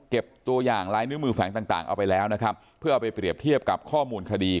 ตัวอย่างลายนิ้วมือแฝงต่างเอาไปแล้วนะครับเพื่อเอาไปเปรียบเทียบกับข้อมูลคดี